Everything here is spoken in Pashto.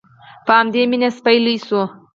په همدې مینه سپی لوی شو.